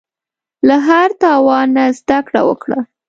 له هر تاوان نه زده کړه وکړه.